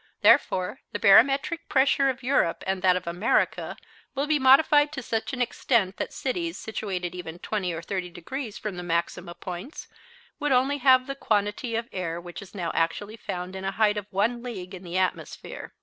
Therefore the barometric pressure of Europe and that of America will be modified to such an extent that cities, situated even 20 or 30 degrees from the maxima points would only have the quantity of air which is now actually found in a height of one league in the atmosphere.